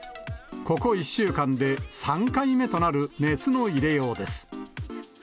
ここ１週間で３回目となる熱の入れようです。